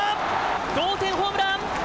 同点ホームラン。